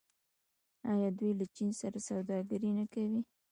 آیا دوی له چین سره سوداګري نه کوي؟